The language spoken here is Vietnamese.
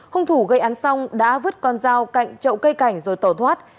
hùng thủ gây án xong đã vứt con dao cạnh trậu cây cảnh rồi tỏ thoát